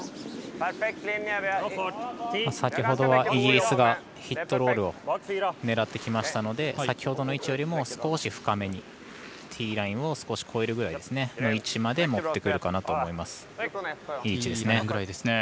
先ほどはイギリスがヒットロールを狙ってきましたので先ほどの位置よりも少し深めにティーラインを少し越えるぐらいの位置まで持ってくるかなと思います。